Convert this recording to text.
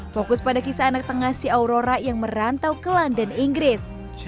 fokus pada kisah anak tengah si aurora yang merantau ke london inggris